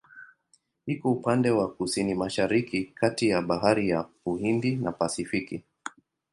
Iko upande wa Kusini-Mashariki kati ya Bahari ya Uhindi na Pasifiki.